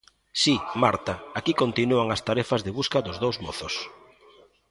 Si, Marta, aquí continúan as tarefas de busca dos dous mozos.